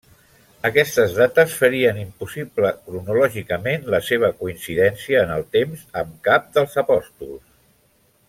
Aquestes dates ferien impossible cronològicament la seva coincidència en el temps amb cap dels apòstols.